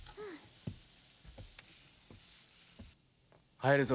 入るぞ。